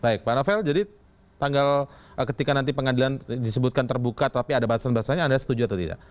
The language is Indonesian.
baik pak novel jadi tanggal ketika nanti pengadilan disebutkan terbuka tapi ada batasan batasannya anda setuju atau tidak